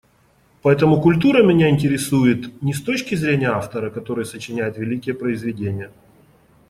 Поэтому культура меня интересует не с точки зрения автора, который сочиняет великие произведения.